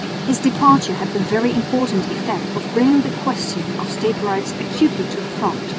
His departure had the very important effect of bringing the question of State rights acutely to the front.